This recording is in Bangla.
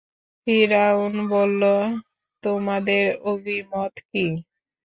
ফিরআউন বলল, তোমাদের অভিমত কি?